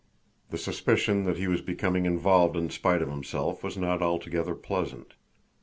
The suspicion that he was becoming involved in spite of himself was not altogether pleasant.